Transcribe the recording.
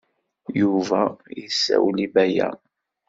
Yuba yessawel i Baya.